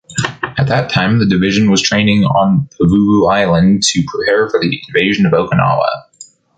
At that time, the division was training on Pavuvu Island to prepare the invasion of Okinawa.